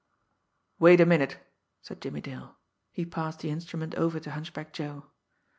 "Wait a minute!" said Jimmie Dale. He passed the instrument over to Hunchback Joe.